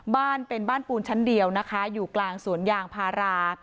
บ้านเป็นบ้านปูนชั้นเดียวนะคะอยู่กลางสวนยางพารา